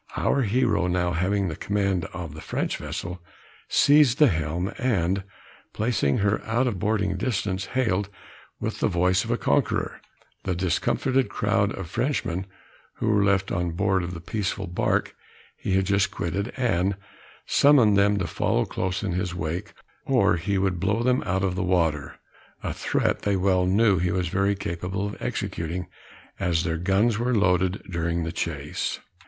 Our hero now having the command of the French vessel, seized the helm, and placing her out of boarding distance, hailed, with the voice of a conqueror, the discomfited crowd of Frenchmen who were left on board of the peaceful bark he had just quitted, and summoned them to follow close in his wake, or he would blow them out of water, (a threat they well knew he was very capable of executing, as their guns were loaded during the chase.)